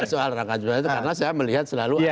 soal rakam jabatan karena saya melihat selalu ada